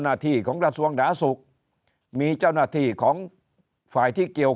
หน้าที่ของกระทรวงดาศุกร์มีเจ้าหน้าที่ของฝ่ายที่เกี่ยว